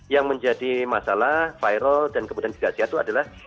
yang menjadi masalah viral dan kemudian digasi satu adalah